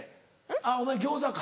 あっお前餃子か。